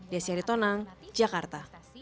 desyari tonang jakarta